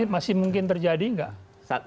masih mungkin terjadi nggak